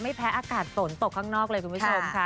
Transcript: แพ้อากาศฝนตกข้างนอกเลยคุณผู้ชมค่ะ